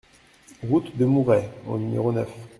Route de Mouret au numéro neuf